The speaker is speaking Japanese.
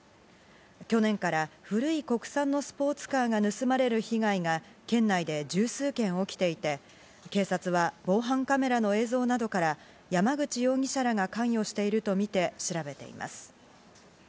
去年から古い国産のスポーツカーが盗まれる被害が県内で十数件起きていて、警察は防犯カメラの映像などから、山口容疑者らが関与しているとみて調べています。